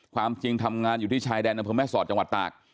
ความจริงทำงานอยู่ที่ชายแดนอำเภอแม่สอดจังหวัดตาก